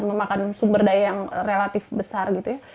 memakan sumber daya yang relatif besar gitu ya